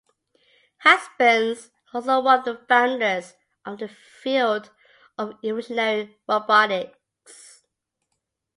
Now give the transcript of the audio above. Husbands is also one of the founders of the field of evolutionary robotics.